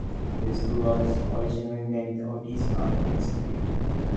The school was originally named Otis Art Institute.